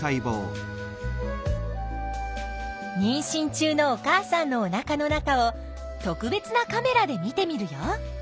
にんしん中のお母さんのおなかの中を特別なカメラで見てみるよ！